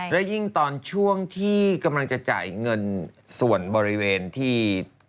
และยิ่งตอนช่วงที่กำลังจะจ่ายเงินส่วนบริเวณที่